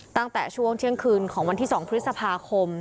ตั้งแต่ช่วงเที่ยงคืนของวันที่๒พฤษภาคม